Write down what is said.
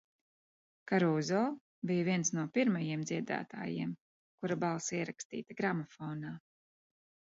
Karūzo bija viens no pirmajiem dziedātājiem, kura balss ierakstīta gramofonā.